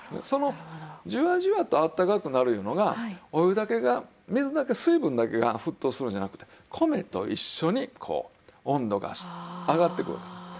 そのじわじわと温かくなるいうのがお湯だけが水だけ水分だけが沸騰するんじゃなくて米と一緒にこう温度が上がってくるわけですね。